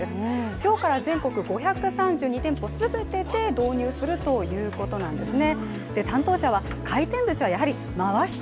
今日から全国５３２店舗全てで導入するということなんですね。